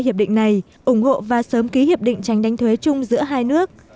hiệp định này ủng hộ và sớm ký hiệp định tránh đánh thuế chung giữa hai nước